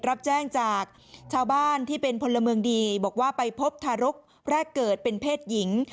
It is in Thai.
รับแจ้งจากชาวบ้านที่เป็นพลเมืองดีบอกว่าไปพบทารกแรกเกิดเป็นเพศหญิง